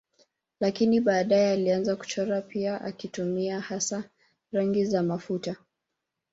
Lakini baadaye alianza kuchora pia akitumia hasa rangi za mafuta.